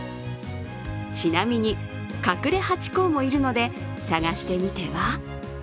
ちなみに、隠れハチ公もいるので探してみては？